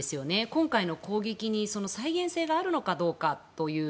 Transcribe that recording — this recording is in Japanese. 今回の攻撃に再現性があるのかどうか。